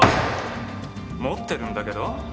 持ってるんだけど？